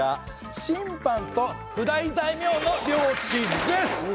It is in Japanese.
親藩と譜代大名の領地です。